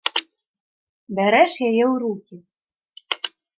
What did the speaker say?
Бярэш яе ў рукі.